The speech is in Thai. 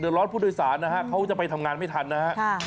เดี๋ยวร้อนผู้โดยสารนะฮะเขาจะไปทำงานไม่ทันนะฮะ